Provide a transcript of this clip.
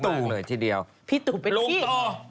สนับสนุนโดยดีที่สุดคือการให้ไม่สิ้นสุด